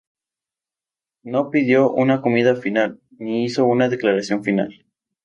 No pidió una comida final, ni hizo una declaración final.